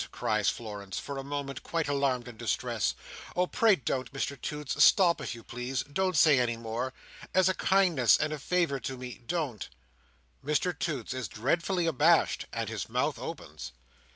cries Florence, for the moment quite alarmed and distressed. "Oh, pray don't, Mr Toots. Stop, if you please. Don't say any more. As a kindness and a favour to me, don't." Mr Toots is dreadfully abashed, and his mouth opens.